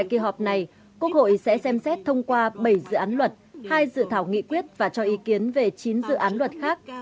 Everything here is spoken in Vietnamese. quốc hội sẽ thử thảo nghị quyết và cho ý kiến về chín dự án luật khác